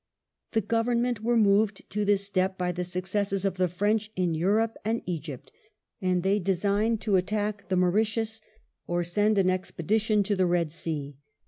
The Government were moved to this step by the successes of the French in Europe and Egypt, and they designed to attack the Mauritius or send an expedition to the Red Sea.